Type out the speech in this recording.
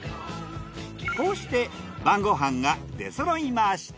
こうして晩ご飯が出そろいました。